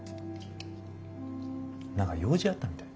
何か用事あったみたい。